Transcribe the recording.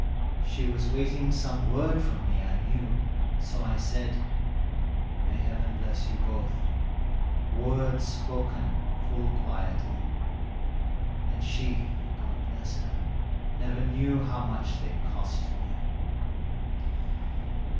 She was waiting some word from me, I knew, so I said, "May Heaven bless you both" words spoken full quietly, And she, God bless her, never knew how much they cost to me.